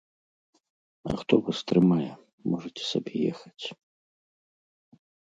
А хто вас трымае, можаце сабе ехаць.